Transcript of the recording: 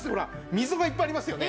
溝がいっぱいありますよね。